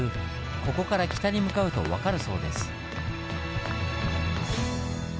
ここから北に向かうと分かるそうです。